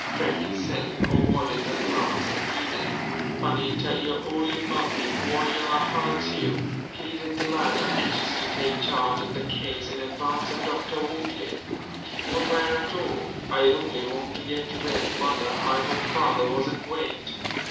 Freke himself avoided her glance uneasily. "Honey, tell yo' ole mammy wh'yar hu'ts you," pleaded Delilah, anxious to take charge of the case in advance of Dr. Wortley. "Nowhere at all. I only want to get to bed. Mother, I hope father wasn't waked."